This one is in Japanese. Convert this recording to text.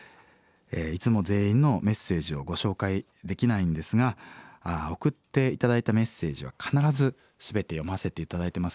いつも全員のメッセージをご紹介できないんですが送って頂いたメッセージは必ず全て読ませて頂いてます。